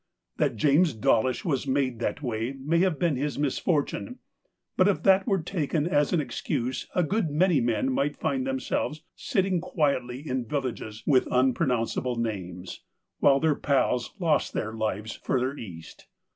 That James Dawlish was made that way may have been his misfortune, but if that were taken as an excuse a good many men might find themselves sitting quietly in vil lages with unpronounceable names, while their pals lost their lives further east.